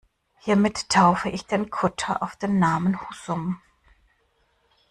Hiermit taufe ich den Kutter auf den Namen Husum.